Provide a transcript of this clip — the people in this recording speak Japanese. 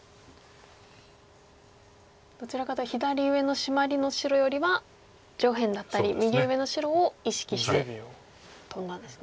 どちらかというと左上のシマリの白よりは上辺だったり右上の白を意識してトンだんですね。